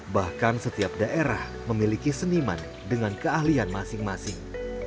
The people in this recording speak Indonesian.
bahkan setiap daerah memiliki seniman dengan keahlian masing masing